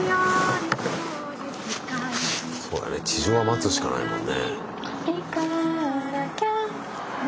そうだね地上は待つしかないもんね。